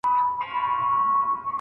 نور به د غمونو د پاتا کمبلي ټولي کړو